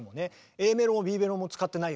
ＡメロもＢメロも使ってないよね。